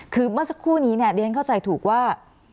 คือเมื่อสักครู่นี้เนี่ยเรียนเข้าใจถูกว่า